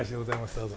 どうぞ。